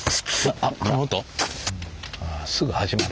あすぐ始まる。